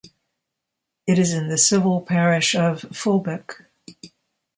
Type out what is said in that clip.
It is in the civil parish of Fulbeck.